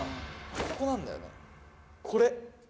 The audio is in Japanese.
ここなんだよこれ。